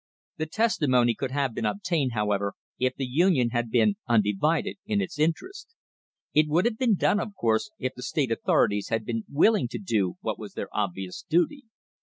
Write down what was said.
The testimony could have been obtained, however, if the Union had been undivided in its interests. It would have been done, of course, if the state authorities had been willing to do what was their obvious duty.